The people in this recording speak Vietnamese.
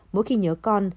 mỗi khi nhớ con